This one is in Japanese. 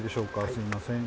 すみません。